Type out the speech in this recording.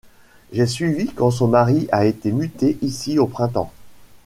J’ai suivi quand son mari a été muté ici au printemps.